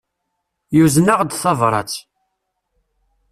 Yuzen-aɣ-d tabrat.